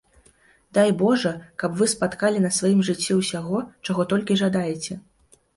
Дай божа, каб вы спаткалі на сваім жыцці ўсяго, чаго толькі жадаеце!